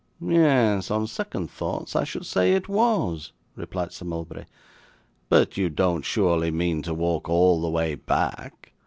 'Yes, on second thoughts I should say it was,' replied Sir Mulberry. 'But you don't surely mean to walk all the way back?